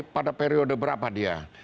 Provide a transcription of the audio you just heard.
pada periode berapa dia